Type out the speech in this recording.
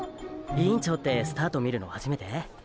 委員長ってスタート見るの初めて？